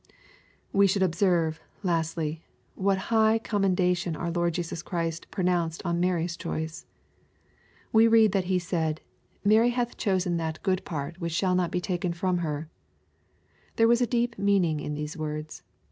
We should observe, lastly, what high commendation our Lord Jesus Christ pronounced on Mary's choice. We read that He said, " Mary nath chosen that good 888 EXP06ITORT THOUGHTS. part, which shall not be tak^i from her/' There was a deep meaning in these. words.